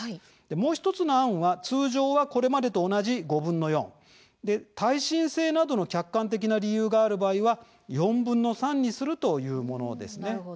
もう１つの案は通常はこれまでと同じ５分の４耐震性などの客観的な理由がある場合は４分の３にするというものです。